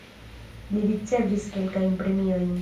Li ricevis kelkajn premiojn.